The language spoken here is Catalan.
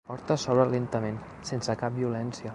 La porta s'obre lentament, sense cap violència.